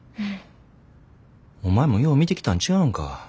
お前もよう見てきたんちゃうんか。